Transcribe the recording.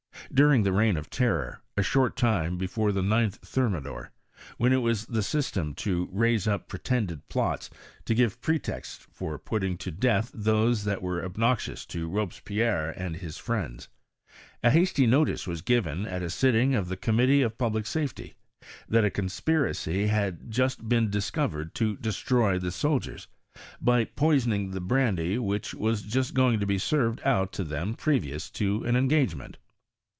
During the reign of terror, a short time before the 9th Thermidor,. when it was the system to raise up pretended plots, to give pretexts for putting to death those that were obnoxious to Robespierre and his friends, a hasty notice was given at a sitting of the Committee of Public Safety, that a conspiracy had just been da PEOORBSS OF CHEMISTRY IN TRANCE. 14.5 covered to destroy the soldiers, by poisoning the brandy which was just going to be served out to them previous to an engagement.